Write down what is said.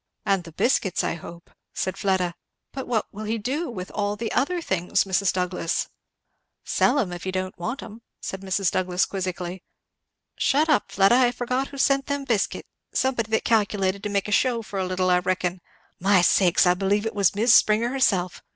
"And the biscuits, I hope," said Fleda. "But what will he do with all the other things, Mrs. Douglass?" "Sell 'em if he don't want 'em," said Mrs. Douglass quizzically. "Shut up, Fleda, I forget who sent them biscuit somebody that calculated to make a shew for a little, I reckon. My sakes! I believe it was Mis' Springer herself!